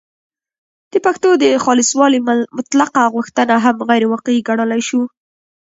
د پښتو د خالصوالي مطلقه غوښتنه هم غیرواقعي ګڼلای شو